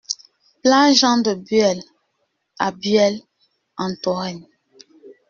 Place Jean de Bueil à Bueil-en-Touraine